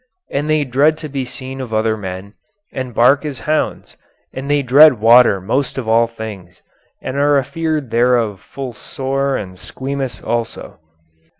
And they dread to be seen of other men, and bark as hounds, and they dread water most of all things, and are afeared thereof full sore and squeamous also.